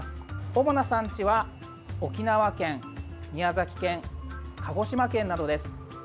主な産地は、沖縄県、宮崎県鹿児島県などです。